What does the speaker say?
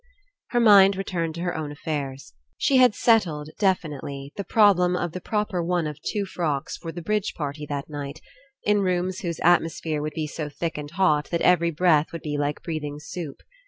Her mind returned to her own affairs. She had settled, definitely, the problem of the proper one of two frocks for the bridge party i6 ENCOUNTER that night, In rooms whose atmosphere would be so thick and hot that every breath would be like breathing soup.